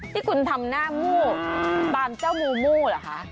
ที่คุณทำหน้ามู้ตามเจ้ามูมู่เหรอคะ